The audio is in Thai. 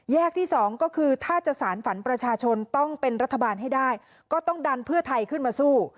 ที่สองก็คือถ้าจะสารฝันประชาชนต้องเป็นรัฐบาลให้ได้ก็ต้องดันเพื่อไทยขึ้นมาสู้